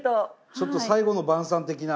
ちょっと最後の晩餐的な。